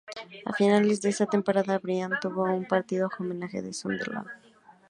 A finales de esa temporada Brian tuvo un partido homenaje en Sunderland.